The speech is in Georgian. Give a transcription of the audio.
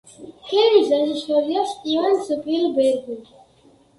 ფილმის რეჟისორია სტივენ სპილბერგი.